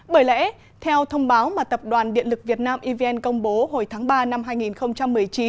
bởi lẽ theo thông báo mà tập đoàn điện lực việt nam evn công bố hồi tháng ba năm hai nghìn một mươi chín